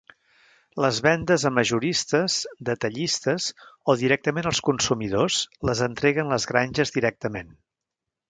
Les vendes a majoristes, detallistes o directament als consumidors les entreguen les granjes directament.